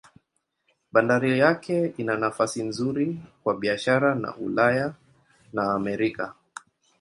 Bandari yake ina nafasi nzuri kwa biashara na Ulaya na Amerika.